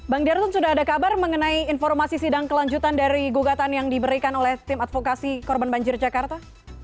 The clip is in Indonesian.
bang darton sudah ada kabar mengenai informasi sidang kelanjutan dari gugatan yang diberikan oleh tim advokasi korban banjir jakarta